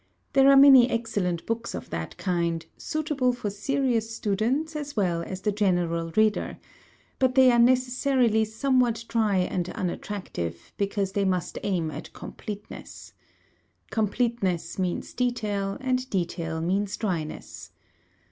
There are many excellent books of that kind, suitable for serious students as well as the general reader; but they are necessarily somewhat dry and unattractive, because they must aim at completeness. Completeness means detail, and detail means dryness.